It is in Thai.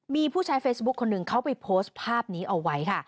มีผู้ใช้เฟซบุ๊คคนหนึ่งเขาไปโพสต์ภาพนี้เอาไว้ค่ะ